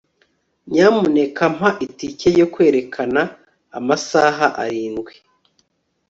nyamuneka mpa itike yo kwerekana amasaha arindwi